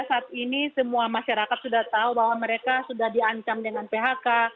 dan pekerja saat ini semua masyarakat sudah tahu bahwa mereka sudah diancam dengan phk